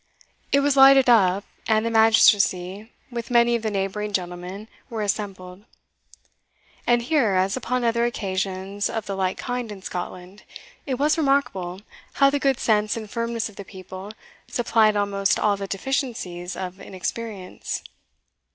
It was lighted up, and the magistracy, with many of the neighbouring gentlemen, were assembled. And here, as upon other occasions of the like kind in Scotland, it was remarkable how the good sense and firmness of the people supplied almost all the deficiencies of inexperience.